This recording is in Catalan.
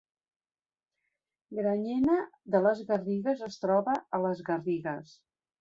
Granyena de les Garrigues es troba a les Garrigues